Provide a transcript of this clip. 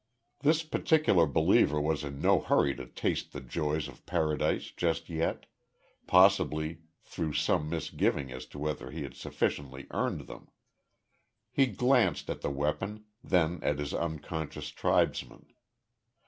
This particular believer was in no hurry to taste the joys of Paradise just yet, possibly through some misgiving as to whether he had sufficiently earned them. He glanced at the weapon, then at his unconscious tribesmen.